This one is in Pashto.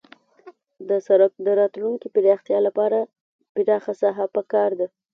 د سرک د راتلونکي پراختیا لپاره پراخه ساحه پکار ده